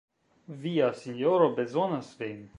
Via sinjoro bezonas vin!